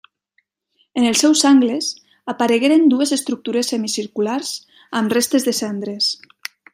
En els seus angles aparegueren dues estructures semicirculars amb restes de cendres.